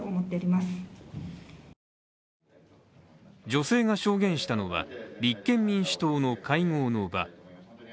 女性が証言したのは立憲民主党の会合の場。